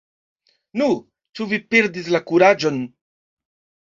Nu, ĉu vi perdis la kuraĝon?